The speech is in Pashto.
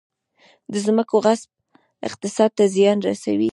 د ځمکو غصب اقتصاد ته زیان رسولی؟